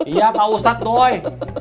iya pak ustadz doi